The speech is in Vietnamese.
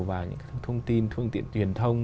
vào những thông tin thương tiện truyền thông